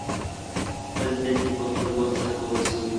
خپلې دندې په خپل وخت سرته ورسوئ.